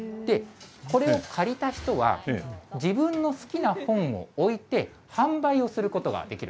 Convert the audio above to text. これを借りた人は、自分の好きな本を置いて、販売をすることができる。